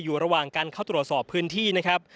อยู่ระหว่างการเข้าตรวจสอบพื้นที่นะครับ